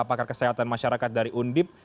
pakar kesehatan masyarakat dari undip